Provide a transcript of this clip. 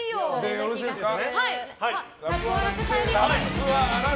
で、よろしいですか？